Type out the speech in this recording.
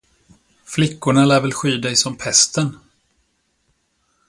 Flickorna lär väl sky dig som pesten.